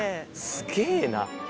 「すげえな！」